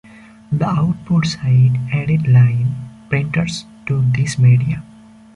The output side added line printers to these media.